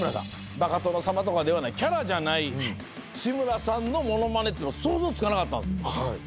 『バカ殿様』とかではないキャラじゃない志村さんのものまねっていうの想像つかなかった。